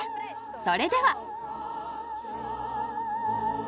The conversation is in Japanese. それでは。